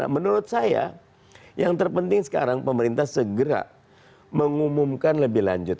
menurut saya yang terpenting sekarang pemerintah segera mengumumkan lebih lanjut